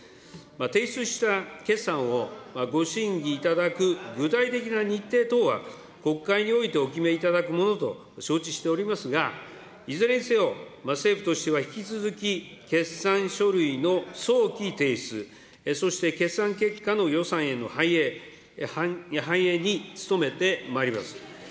提出した決算をご審議いただく具体的な日程等は国会においてお決めいただくものと承知しておりますが、いずれにせよ政府としては引き続き決算書類の早期提出、そして決算結果の予算への反映に努めてまいります。